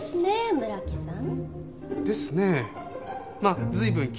村木さん。